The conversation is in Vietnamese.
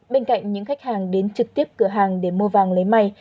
bên cạnh những khách hàng đến trực tiếp cửa hàng để mua vàng lấy may